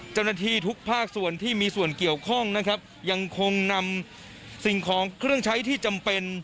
เจ้าหน้าที่ทุกภาคส่วนที่มีส่วนเกี่ยวข้องนะครับยังคงนำสิ่งของเครื่องใช้ที่จำเป็น